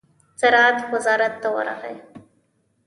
زراعت وزارت ته ورغی.